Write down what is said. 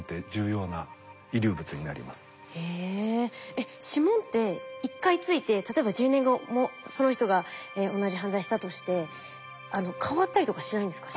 えっ指紋って一回付いて例えば１０年後もその人が同じ犯罪したとして変わったりとかしないんですか？